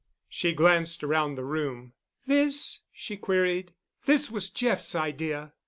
She glanced around the room. "This?" she queried. "This was Jeff's idea."